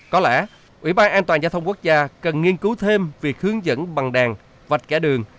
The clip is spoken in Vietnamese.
có lẽ ủy ban an toàn gia thông quốc gia cần nghiên cứu thêm việc hướng dẫn bằng đèn